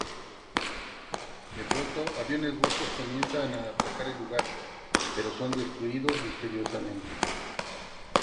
De pronto, aviones rusos comienzan a atacar el lugar, pero son destruidos misteriosamente.